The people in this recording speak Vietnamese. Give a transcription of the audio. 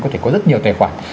có thể có rất nhiều tài khoản